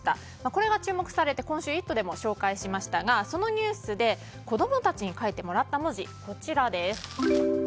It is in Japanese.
これが注目されて今週「イット！」でも紹介しましたがそのニュースで子供たちに書いてもらった文字がこちらです。